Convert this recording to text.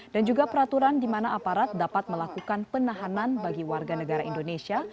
dan juga peraturan di mana aparat dapat melakukan penahanan bagi warga negara indonesia